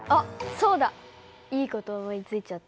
そうだいい事思いついちゃった。